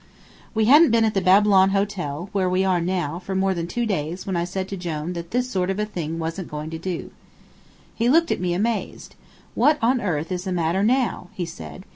We hadn't been at the Babylon Hotel, where we are now, for more than two days when I said to Jone that this sort of thing wasn't going to do. He looked at me amazed. "What on earth is the matter now?" he said.